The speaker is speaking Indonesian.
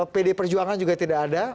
pd perjuangan juga tidak ada